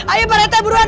ayo pak rete buruan